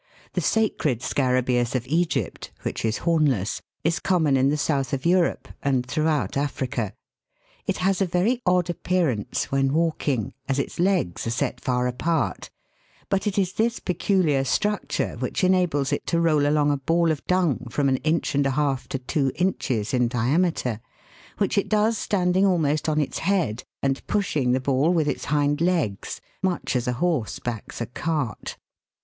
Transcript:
The sacred Scarabseus of Egypt (Fig. 46), which is hornless, is common in the south of Europe, and throughout Africa. It has a very odd appearance THE SACRED SCARAB^US. 223 when walking, as its legs are set far apart; but it is this peculiar structure which enables it to roll along a ball of dung from an inch and a half to two inches in diameter, which it does standing almost on its head, and pushing the ball with its hind legs, much as a horse backs a cart.